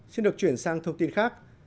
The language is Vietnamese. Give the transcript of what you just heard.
xin được chuyển sang thông tin khác